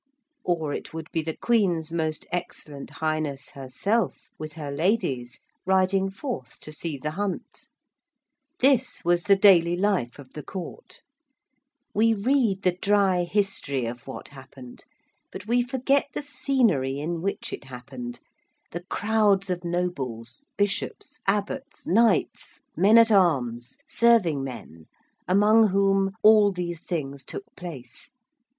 Or it would be the Queen's most Excellent Highness herself with her ladies riding forth to see the hunt. This was the daily life of the Court: we read the dry history of what happened but we forget the scenery in which it happened the crowds of nobles, bishops, abbots, knights, men at arms, serving men, among whom all these things took place.